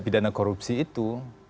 pidana korupsi itu